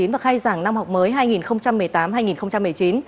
và khai giảng năm học mới hai nghìn một mươi tám hai nghìn một mươi chín